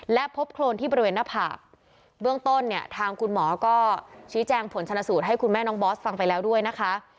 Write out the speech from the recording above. และพบโครนที่บริเวณหน้าผากเบื้องต้นเนี่ยทางคุณหมอก็ชี้แจงผลชนสูตรให้คุณแม่น้องบอสฟังไปแล้วด้วยนะคะ